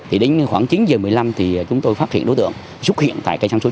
thì đến khoảng chín h một mươi năm thì chúng tôi phát hiện đối tượng xuất hiện tại cây xăng số chín